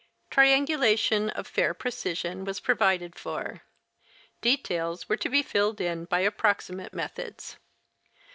Triangulation of fair precision was provided for. Details were to be filled in by approximate methods.